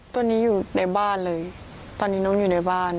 ตัวนี้อยู่ในบ้านเลยตอนนี้น้องอยู่ในบ้าน